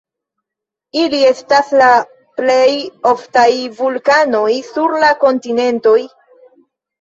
Ili estas la plej oftaj vulkanoj sur la kontinentoj.